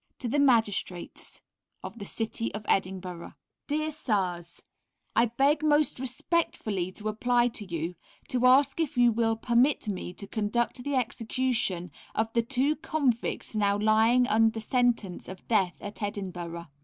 To the Magistrates of the City of Edinburgh. Dear Sirs, I beg most respectfully to apply to you, to ask if you will permit me to conduct the execution of the two Convicts now lying under sentence of death at Edinburgh.